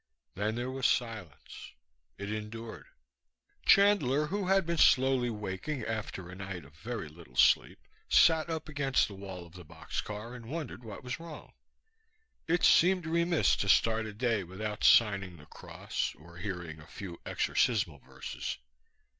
Then there was silence. It endured. Chandler, who had been slowly waking after a night of very little sleep, sat up against the wall of the boxcar and wondered what was wrong. It seemed remiss to start a day without signing the Cross or hearing a few exorcismal verses.